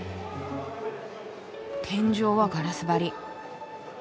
天井はガラス張り。